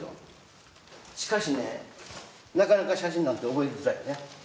しかしねなかなか写真なんて覚えづらいね。